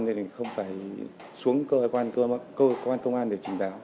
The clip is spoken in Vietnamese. nên mình không phải xuống cơ quan công an để trình báo